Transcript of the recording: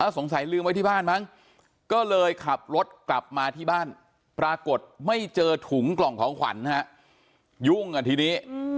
สงสัยลืมไว้ที่บ้านมั้งก็เลยขับรถกลับมาที่บ้านปรากฏไม่เจอถุงกล่องของขวัญยุ่งกันทีนี้